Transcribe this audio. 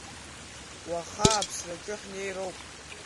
Уаха аԥсраҿы ҳнеироуп.